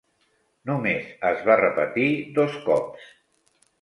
Només es va repetir dos cops.